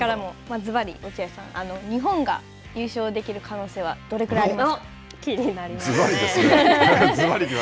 ずばり落合さん、日本が優勝できる可能性はずばりですね。